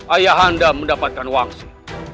ayahanda mendapatkan wangsi